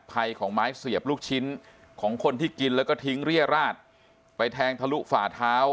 ภัยของไม้เสียบลูกชิ้นของคนที่กินแล้วก็ทิ้งเรียราชไปแทงทะลุฝ่าเท้า